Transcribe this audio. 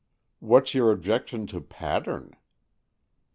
"What's your objection to pattern?"